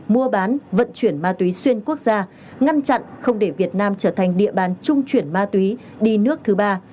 mua bán vận chuyển ma túy xuyên quốc gia ngăn chặn không để việt nam trở thành địa bàn trung chuyển ma túy đi nước thứ ba